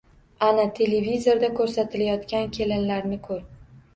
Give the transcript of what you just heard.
Ana, televizorda koʻrsatilayotgan kelinlarni koʻr